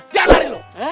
jangan lari lo